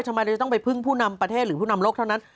ทำไมเราจะต้องไปพึ่งผู้นำประเทศหรือผู้นำโลกเท่านั้น